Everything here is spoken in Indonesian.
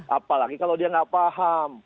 apalagi kalau dia nggak paham